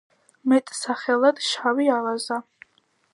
მეტსახელად „შავი ავაზა“.